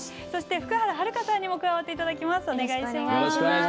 そして福原遥さんにも加わっていただきます。